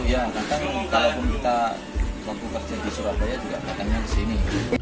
iya karena kalau pun kita bekerja di surabaya juga makannya di sini